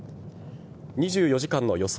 ２４時間の予想